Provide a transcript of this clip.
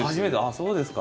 そうですか。